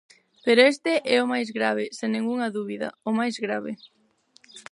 Pero este é o máis grave, sen ningunha dúbida, o máis grave.